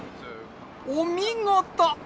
お見事。